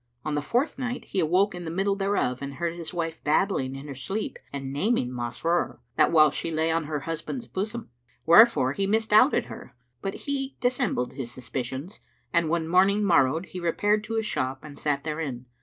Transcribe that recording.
On the fourth night, he awoke in the middle thereof and heard his wife babbling in her sleep and naming Masrur, what while she lay on her husband's bosom, wherefore he misdoubted her; but he dissembled his suspicions and when morning morrowed he repaired to his shop and sat therein.